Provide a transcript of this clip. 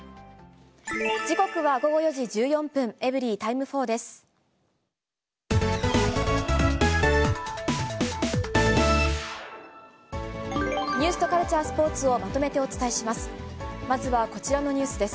時刻は午後４時１４分、エブリィタイム４です。